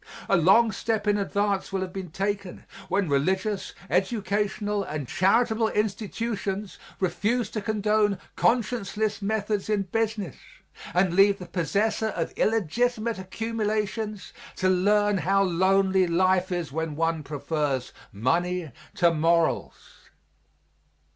A long step in advance will have been taken when religious, educational and charitable institutions refuse to condone conscienceless methods in business and leave the possessor of illegitimate accumulations to learn how lonely life is when one prefers money to morals.